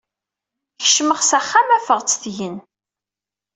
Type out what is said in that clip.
Kecmeɣ s axxam, afeɣ-tt tgen.